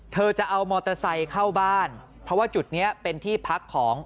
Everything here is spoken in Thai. เธอจะเอามอเตอร์ไซค์เข้าบ้านเพราะว่าจุดนี้เป็นที่พักของ